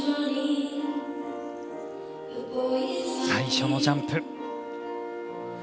最初のジャンプ。